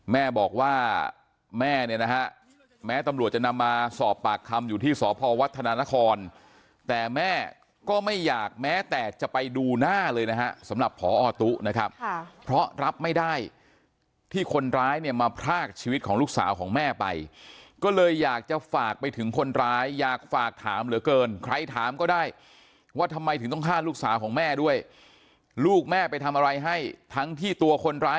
แม่บอกว่าแม่เนี่ยนะฮะแม้ตำรวจจะนำมาสอบปากคำอยู่ที่สพวัฒนานครแต่แม่ก็ไม่อยากแม้แต่จะไปดูหน้าเลยนะฮะสำหรับพอตุนะครับเพราะรับไม่ได้ที่คนร้ายเนี่ยมาพรากชีวิตของลูกสาวของแม่ไปก็เลยอยากจะฝากไปถึงคนร้ายอยากฝากถามเหลือเกินใครถามก็ได้ว่าทำไมถึงต้องฆ่าลูกสาวของแม่ด้วยลูกแม่ไปทำอะไรให้ทั้งที่ตัวคนร้าย